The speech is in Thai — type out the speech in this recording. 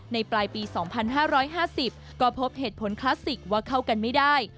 ปลายปี๒๕๕๐ก็พบเหตุผลคลาสสิกว่าเข้ากันไม่ได้